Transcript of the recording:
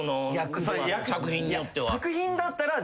作品によっては。